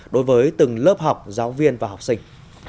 đối với từng lớp học giáo viên và học sinh